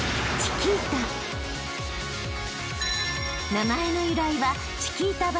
［名前の由来は］